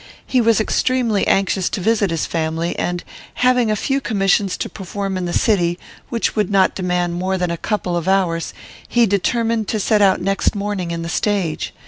He was extremely anxious to visit his family, and, having a few commissions to perform in the city, which would not demand more than a couple of hours, he determined to set out next morning in the stage.